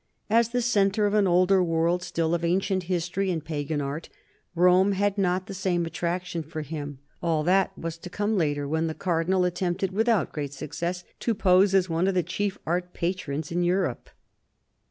As the centre of an older world still, of ancient history and pagan art, Rome had not the same attraction for him. AH that was to come later, when the Cardinal attempted, without great success, to pose as one of the chief art patrons in Europe.